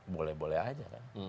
boleh boleh aja kan